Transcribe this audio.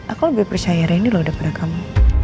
aku lebih percaya reni loh daripada kamu